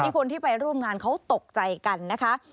คนที่ไปร่วมงานเขาตกใจกันนะคะ